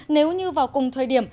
nếu như vào cùng thời điểm